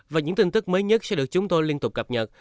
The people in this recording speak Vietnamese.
và những tin tức mới nhất sẽ được chúng tôi liên tục cập nhật